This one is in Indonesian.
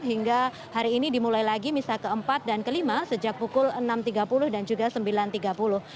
hingga hari ini dimulai lagi misa keempat dan kelima sejak pukul enam tiga puluh dan juga sembilan tiga puluh